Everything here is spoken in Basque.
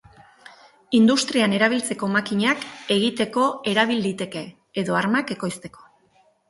Industrian erabiltzeko makinak egiteko erabil liteke, edo armak ekoizteko.